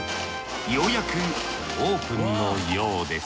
ようやくオープンのようです